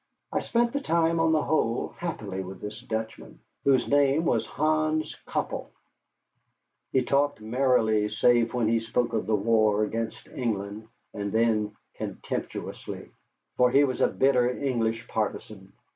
I spent the time on the whole happily with this Dutchman, whose name was Hans Köppel. He talked merrily save when he spoke of the war against England, and then contemptuously, for he was a bitter English partisan.